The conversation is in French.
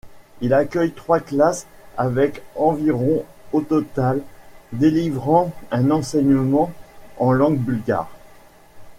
Il accueille trois classes avec environ au total, délivrant un enseignement en langue bulgare.